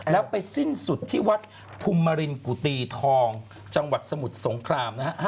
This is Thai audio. แล้วไปสิ้นสุดที่วัดพุมรินกุฏีทองจังหวัดสมุทรสงครามนะฮะ